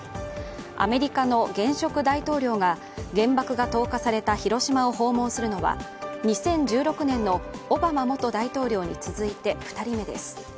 アメリカの現職大統領が原爆が投下された広島を訪問するのは２０１６年のオバマ元大統領に続いて２人目です。